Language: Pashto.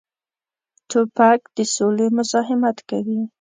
توپک د سولې مزاحمت کوي.